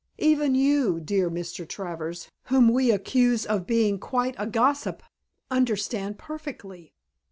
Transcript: Even you, dear Mr. Travers, whom we accuse of being quite a gossip, understand perfectly."